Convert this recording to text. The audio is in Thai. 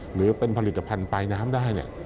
หรือเป็นผลิตกระพันธุ์ปลายน้ำได้